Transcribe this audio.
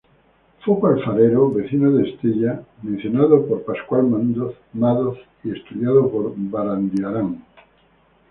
Foco alfarero, vecino de Estella, mencionado por Pascual Madoz y estudiado por Barandiarán.